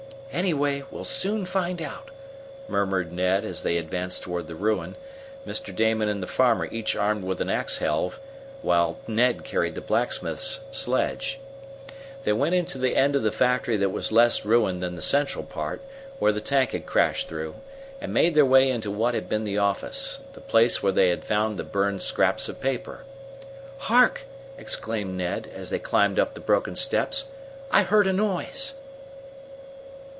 "Anyway, we'll soon find out," murmured Ned, as they advanced toward the ruin, Mr. Damon and the farmer each armed with an axe helve, while Ned carried the blacksmith's sledge. They went into the end of the factory that was less ruined than the central part, where the tank had crashed through, and made their way into what had been the office the place where they had found the burned scraps of paper. "Hark!" exclaimed Ned, as they climbed up the broken steps. "I heard a noise."